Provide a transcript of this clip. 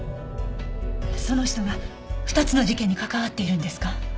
その人が２つの事件に関わっているんですか？